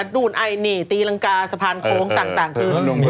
ดูดไอนี่ตีรังกาสะพานโค้งต่างคือ